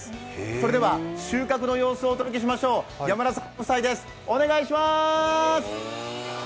それでは収穫の様子をお届けしましょう、山田さんご夫妻です、お願いします。